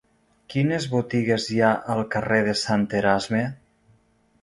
Quines botigues hi ha al carrer de Sant Erasme?